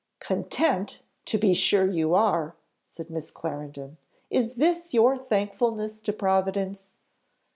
"Content! to be sure you are," said Miss Clarendon. "Is this your thankfulness to Providence?"